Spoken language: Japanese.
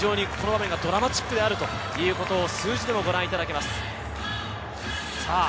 この場面がドラマチックであるということを数字でご覧いただけます。